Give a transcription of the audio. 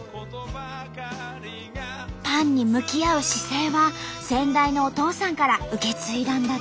パンに向き合う姿勢は先代のお父さんから受け継いだんだって。